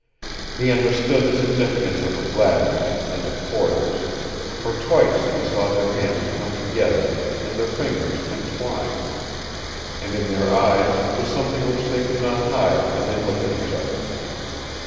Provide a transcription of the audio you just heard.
He understood the significance of her gladness, and of Porter's, for twice he saw their hands come together, and their fingers entwine. And in their eyes was something which they could not hide when they looked at each other.